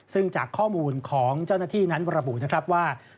ซึ่งจากข้อมูลของเจ้าหน้าที่นั้นระบุนะครับว่า